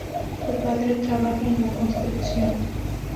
Su padre trabaja en la construcción.